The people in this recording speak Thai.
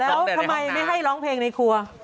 แล้วทำไมไม่ให้ร้องเพลงในครัว